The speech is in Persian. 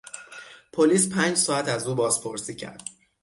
پلیس پنج ساعت از او بازپرسی کرد.